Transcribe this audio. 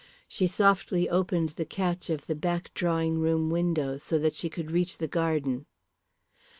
She softly opened the catch of the back drawing room window so that she could reach the garden.